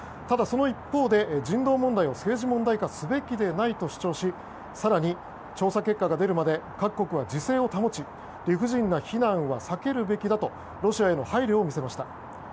ただ、その一方で人道問題を政治問題すべきでないと主張し更に、調査結果が出るまで各国は自制を保ち理不尽な非難は避けるべきだとロシアへの配慮を見せました。